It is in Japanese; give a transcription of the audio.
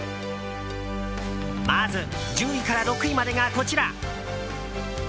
まず１０位から６位までがこちら。